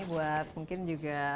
ini buat mungkin juga